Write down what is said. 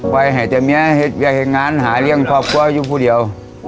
ไปให้เจ้าแม่เห็นงานหายเลี้ยงครอบครัวอยู่ผู้เดียว